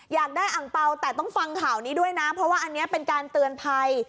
อยากได้อังเปล่าแต่ต้องฟังข่าวนี้ด้วยนะเพราะว่าอันนี้เป็นการเตือนภัย